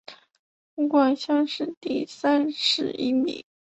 湖广乡试第三十一名。